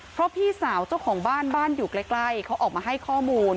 เพราะพี่สาวเจ้าของบ้านบ้านอยู่ใกล้เขาออกมาให้ข้อมูล